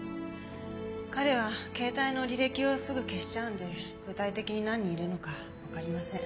彼は携帯の履歴をすぐ消しちゃうんで具体的に何人いるのかわかりません。